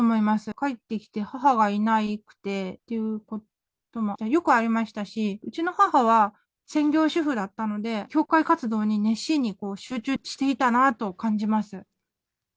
帰ってきて、母がいなくてっていうこともよくありましたし、うちの母は専業主婦だったので、教会活動に熱心に集中していたなと感じます。